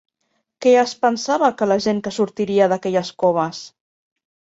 Què es pensava que la gent que sortiria d'aquelles coves?